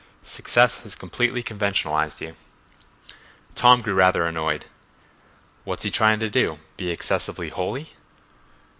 Success has completely conventionalized you." Tom grew rather annoyed. "What's he trying to do—be excessively holy?"